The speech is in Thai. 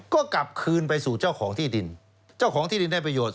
ก็กลับคืนไปสู่เจ้าของที่ดินเจ้าของที่ดินได้ประโยชน